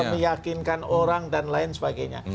meyakinkan orang dan lain sebagainya